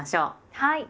はい。